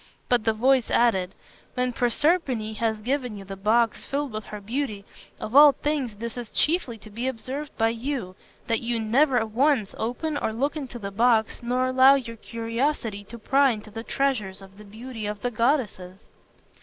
But the voice added, "When Proserpine has given you the box filled with her beauty, of all things this is chiefly to be observed by you, that you never once open or look into the box nor allow your curiosity to pry into the treasure of the beauty of the goddesses."